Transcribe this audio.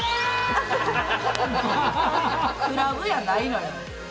クラブやないのよ。